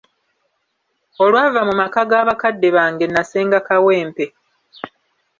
Olwava mu maka ga bakadde bange nasenga Kawempe.